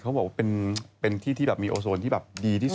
เขาบอกว่าเป็นที่ที่แบบมีโอโซนที่แบบดีที่สุด